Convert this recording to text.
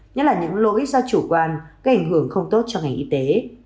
nhất là những lỗi do chủ quan gây ảnh hưởng không tốt cho ngành y tế